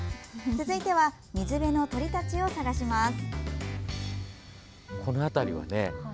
続いては水辺の鳥たちを探します。